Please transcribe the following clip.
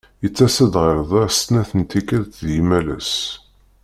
Ittas-d ɣer da snat n tikal deg yimalas.